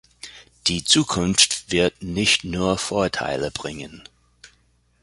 Die Zukunft wird nicht nur Vorteile bringen.